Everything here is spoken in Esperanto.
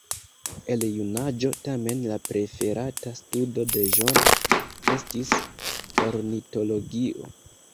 El junaĝo tamen la preferata studo de John estis ornitologio.